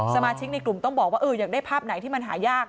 สมาชิกในกลุ่มต้องบอกว่าอยากได้ภาพไหนที่มันหายาก